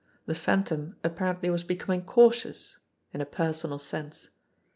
The Phantom apparently was becoming cautious in a personal sense.